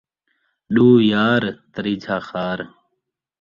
ݙو یار تریجھا خار